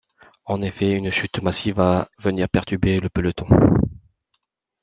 En effet, une chute massive va venir perturber le peloton.